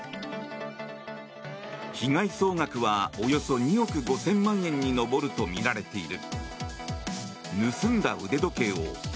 被害総額はおよそ２億５０００万円に上るとみられている。